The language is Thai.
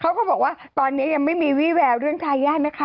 เขาก็บอกว่าตอนนี้ยังไม่มีวิววาวเรื่องทาย